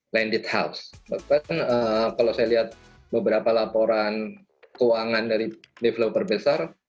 landed house bahkan kalau saya lihat beberapa laporan keuangan dari developer besar